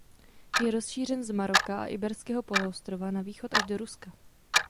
Je rozšířen z Maroka a Iberského poloostrova na východ až do Ruska.